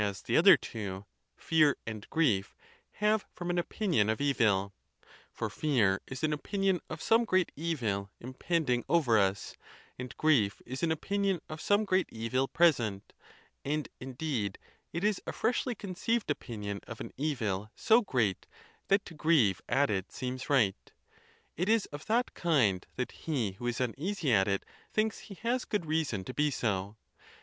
the other two, fear and grief, have from an opinion of evil. For fear is an opinion of some great evil impending over us, and grief is an opinion of some great evil present; and, indeed, it is a freshly conceived opinion of an evil so great that to grieve at it seems right: it is of that kind that he who is uneasy at it thinks he has good reason to be so.